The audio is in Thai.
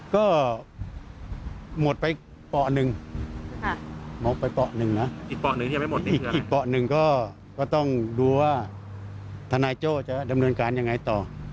ก็หมดไปป่อนึงอีกป่อนึงก็ต้องดูว่าทนายโจ้จะดำเนินการยังไงต่อ